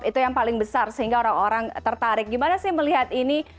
itu yang paling besar sehingga orang orang tertarik gimana sih melihat ini